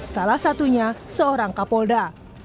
salah satunya seorang kapolda